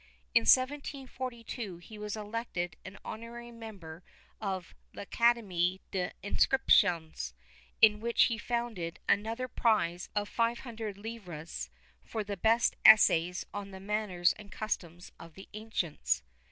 In 1742 he was elected an honorary member of "L'Académie des Inscriptions," in which he founded another prize of five hundred livres for the best essays on the manners and customs of the ancients.